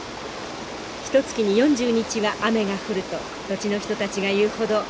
ひとつきに４０日は雨が降ると土地の人たちが言うほどよく降ります。